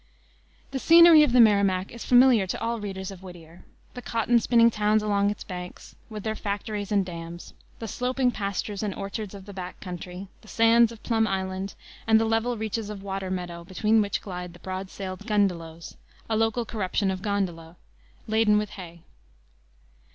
The scenery of the Merrimack is familiar to all readers of Whittier: the cotton spinning towns along its banks, with their factories and dams, the sloping pastures and orchards of the back country, the sands of Plum Island and the level reaches of water meadow between which glide the broad sailed "gundalows" a local corruption of gondola laden with hay.